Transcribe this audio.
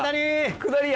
下りや！